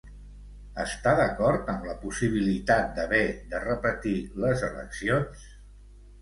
Està d'acord amb la possibilitat d'haver de repetir les eleccions?